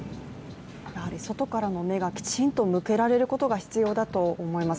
やはり外からの目がきちんと向けられることが必要だと感じます。